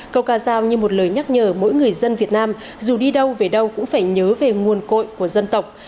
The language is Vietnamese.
câu ca giao như một lời nhắc nhở mỗi người dân việt nam dù đi đâu về đâu cũng phải nhớ về nguồn cội của dân tộc